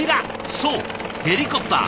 そうヘリコプター。